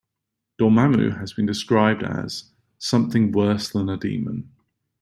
Dormammu has been described as "something worse than a demon".